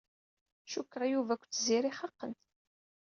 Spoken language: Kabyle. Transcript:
Cukkeɣ Yuba akked Tiziri xaqen.